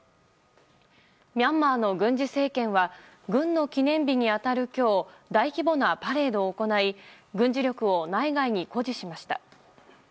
ミャンマーの軍事政権は軍の記念日に当たる今日大規模なパレードを行い軍事力を内外に誇示しました。